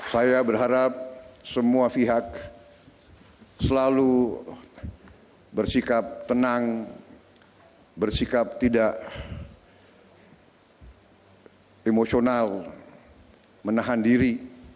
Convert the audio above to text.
saya berharap semua pihak selalu bersikap tenang bersikap tidak emosional menahan diri